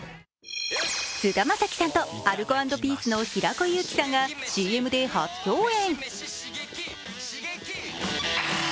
菅田将暉さんとアルコ＆ピースの平子祐希さんがＣＭで初共演。